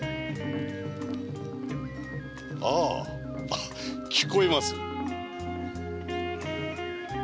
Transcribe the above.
・ああ聞こえます。